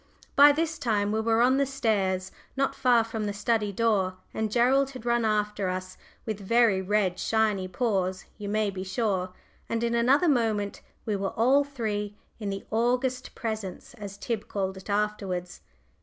By this time we were on the stairs, not far from the study door, and Gerald had run after us, with very red shiny paws, you may be sure, and in another moment we were all three in "the august presence," as Tib called it afterwards.